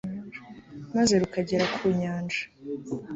maze rukagera ku nyanja